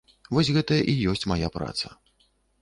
Вось гэта і ёсць мая праца.